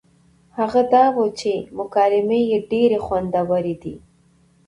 هغه دا وه چې مکالمې يې ډېرې خوندورې دي